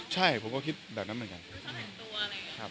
ใช่ผมก็คิดแบบนั้นเหมือนกัน